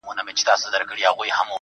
اوس چي خبري كوم~